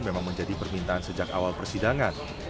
memang menjadi permintaan sejak awal persidangan